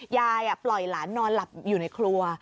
ยายปล่อยหลานนอนหลับอยู่ในครัว